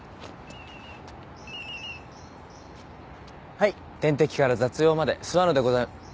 はい点滴から雑用まで諏訪野でござ。